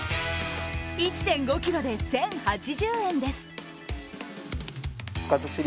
１．５ｋｇで１０８０円です。